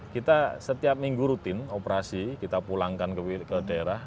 kita setiap minggu rutin operasi kita pulangkan ke daerah